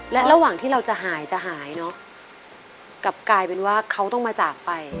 และระหว่างที่เราจะหายจะหายเนอะกลับกลายเป็นว่าเขาต้องมาจากไป